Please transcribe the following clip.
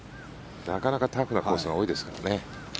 なかなかタフなコースが多いですからね。